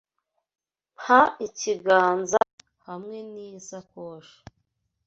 Mpa ikiganza hamwe niyi sakoshi.